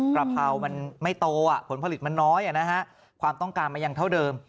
กระเพรามันไม่โตผลผลิตมันน้อยความต้องการมันยังเท่าเดิม